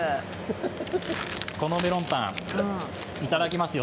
このメロンパン、いただきますよ